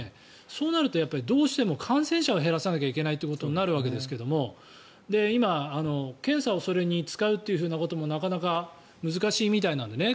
そうなると、どうしても感染者を減らさなきゃいけないということになるわけですけど今、検査をそれに使うということもなかなか難しいみたいなのでね。